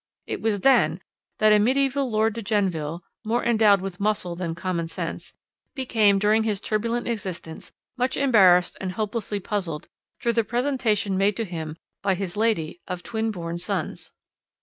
It was then that a mediaeval Lord de Genneville, more endowed with muscle than common sense, became during his turbulent existence much embarrassed and hopelessly puzzled through the presentation made to him by his lady of twin born sons.